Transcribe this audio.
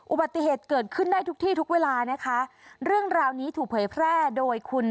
อุบัติเหตุเกิดขึ้นได้ทุกที่ทุกเวลานะคะเรื่องราวนี้ถูกเผยแพร่โดยคุณ